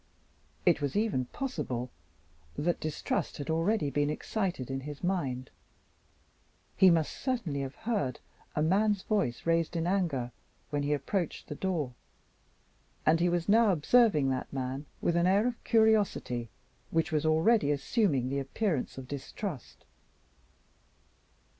It was even possible that distrust had been already excited in his mind. He must certainly have heard a man's voice raised in anger when he approached the door and he was now observing that man with an air of curiosity which was already assuming the appearance of distrust.